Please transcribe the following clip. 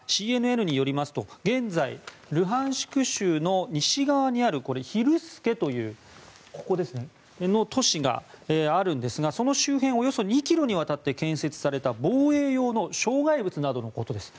ＣＮＮによりますと現在、ルハンシク州の西に在りますヒルスケという都市があるんですがその周辺およそ２ｋｍにわたって建設された防衛用の障害物などのことで。